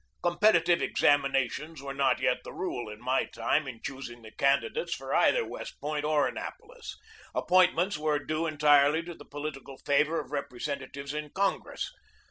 Competitive examinations were not yet the rule in my time in choosing candidates for either West Point or Annapolis. Appointments were due en tirely to the political favor of representatives in Congress.